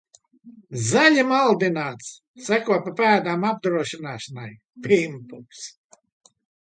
Zaļi maldināts. Seko pa pēdām apdrošināšanai. Pimpuks.